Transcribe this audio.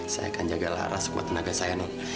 saya akan jaga lara sekuat tenaga saya non